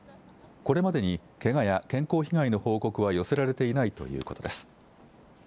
これまでに、けがや健康被害の報告は寄せられていないということです。